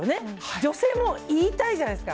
女性も言いたいじゃないですか。